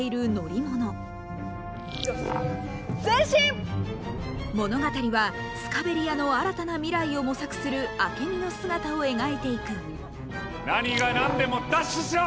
物語はスカベリアの新たな未来を模索するアケミの姿を描いていく何が何でも奪取しろ！